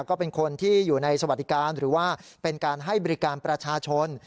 ก็เป็นคนที่อยู่ในสวัสดิการหรือว่าเป็นการให้บริการประชาชน